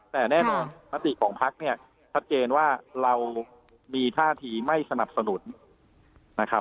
แต่แน่นอนมติของพักเนี่ยชัดเจนว่าเรามีท่าทีไม่สนับสนุนนะครับ